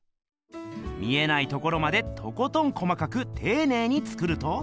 見えないところまでとことん細かくていねいに作ると。